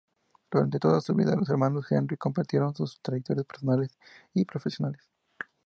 Durante toda su vida, los hermanos Henry compartieron sus trayectorias personales y profesionales.